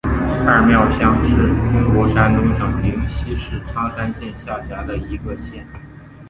二庙乡是中国山东省临沂市苍山县下辖的一个乡。